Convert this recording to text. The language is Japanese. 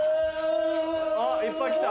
あっいっぱい来た。